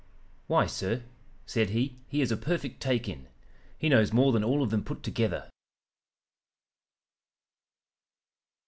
"'Why, sir,' said he, 'he is a perfect "take in." He knows more than all of them put together.'"